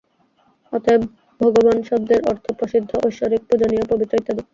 অতএব, ভগবান শব্দের অর্থ প্রসিদ্ধ, ঐশ্বরিক, পূজনীয়, পবিত্র ইত্যাদি।